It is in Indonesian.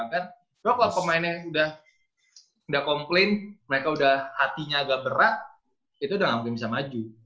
karena kalau pemainnya udah complain mereka udah hatinya agak berat itu udah gak mungkin bisa maju